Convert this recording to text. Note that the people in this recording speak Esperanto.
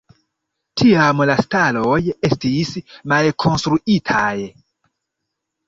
Tiam la staloj estis malkonstruitaj.